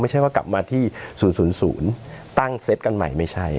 ไม่ใช่ว่ากลับมาที่๐๐ตั้งเซตกันใหม่ไม่ใช่